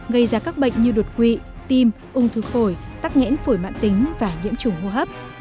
gây ra các bệnh như đột quỵ tim ung thư phổi tắc nghẽn phổi mạng tính và nhiễm trùng hô hấp